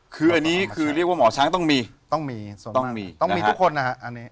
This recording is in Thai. คืออันนี้คือเรียกว่าหมอช้างต้องมีต้องมีต้องมีต้องมีทุกคนนะฮะ